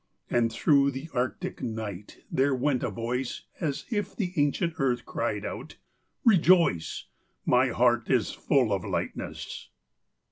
And through the Arctic night there went a voice, As if the ancient Earth cried out, "Rejoice!" "My heart is full of lightness!"